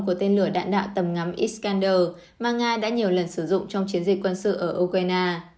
của tên lửa đạn đạo tầm ngắm iskander mà nga đã nhiều lần sử dụng trong chiến dịch quân sự ở ukraine